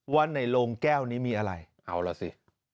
ว่าในโรงแก้วนี้มีอะไรเอาล่ะสิ